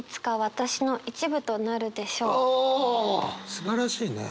すばらしいね。